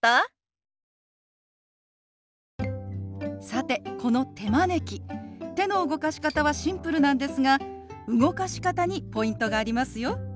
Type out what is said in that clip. さてこの手招き手の動かし方はシンプルなんですが動かし方にポイントがありますよ。